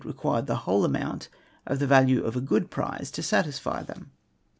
required the whole amount of the value of a good prize to satisfy them.